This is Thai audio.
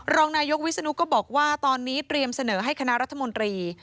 รองนายกวิศนุก็บอกว่าตอนนี้เตรียมเสนอให้คณะรัฐมนตรี